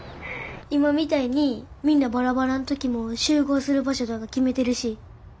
今みたいにみんなバラバラの時も集合する場所とか決めてるし。